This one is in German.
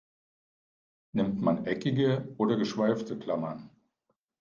Nimmt man eckige oder geschweifte Klammern?